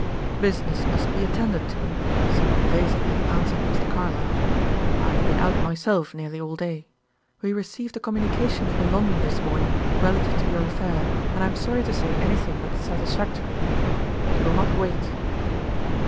"Business must be attended to," somewhat evasively answered Mr. Carlyle; "I have been out myself nearly all day. We received a communication from London this morning, relative to your affair, and I am sorry to say anything but satisfactory. They will not wait."